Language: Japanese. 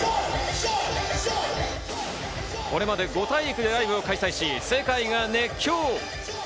これまで５大陸でライブを開催し、世界が熱狂。